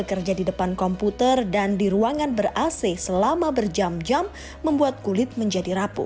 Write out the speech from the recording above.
kerja di depan komputer dan di ruangan ber ac selama berjam jam membuat kulit menjadi rapuh